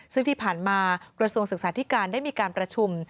ซึ่งที่ผ่านมากระทรวงศึกษาธิการได้มีการประชุม